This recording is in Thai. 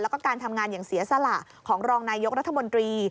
แล้วก็การทำงานอย่างเสียสละของรองนายกรัฐมนตรี